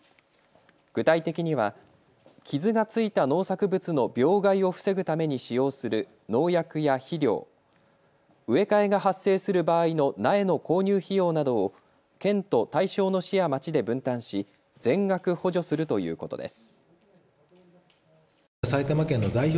具体的には、傷がついた農作物の病害を防ぐために使用する農薬や肥料、植え替えが発生する場合の苗の購入費用などを県と対象の市や町で分担し全額補助するということです。